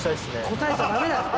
答えちゃダメだよ。